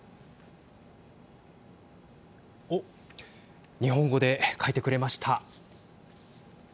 お、日本語で書いてくれました。